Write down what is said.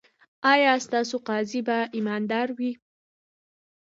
ایا ستاسو قاضي به ایماندار وي؟